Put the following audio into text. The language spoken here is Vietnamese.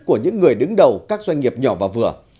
của những người đứng đầu các doanh nghiệp nhỏ và vừa